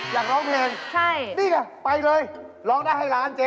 อยากร้องเพลงนี่ค่ะไปเลยร้องได้ให้ล้านเจ๊ใช่